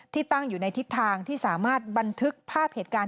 ตั้งอยู่ในทิศทางที่สามารถบันทึกภาพเหตุการณ์